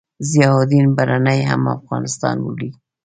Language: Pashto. ضیاألدین برني هم افغانستان بولي.